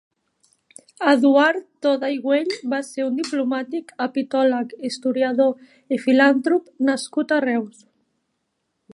Eduard Toda i Güell va ser un diplomàtic, egiptòleg, historiador i filantrop nascut a Reus.